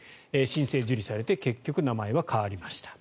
申請受理されて結局名前は変わりました。